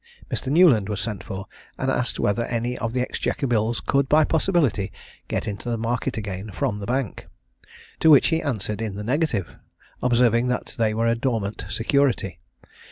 Mr. Newland was sent for, and asked whether any of the exchequer bills could, by possibility, get into the market again from the Bank? To which he answered in the negative, observing that they were a dormant security.